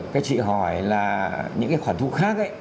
các chị hỏi là những khoản thu khác